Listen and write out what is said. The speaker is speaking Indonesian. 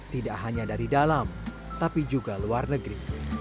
tidak hanya dari dalam tapi juga luar negeri